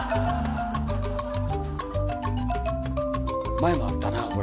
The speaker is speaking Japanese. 前もあったなこれ。